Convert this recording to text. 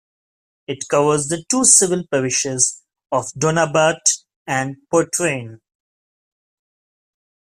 It covers the two civil parishes of Donabate and Portrane.